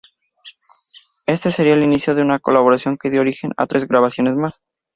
Este sería el inicio de una colaboración que dio origen a tres grabaciones más.